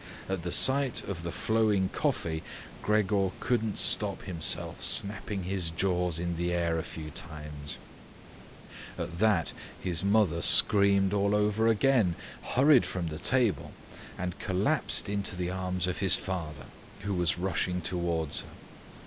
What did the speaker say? At the sight of the flowing coffee Gregor couldn't stop himself snapping his jaws in the air a few times . At that his mother screamed all over again, hurried from the table, and collapsed into the arms of his father, who was rushing towards her.